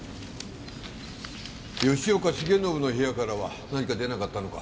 吉岡繁信の部屋からは何か出なかったのか？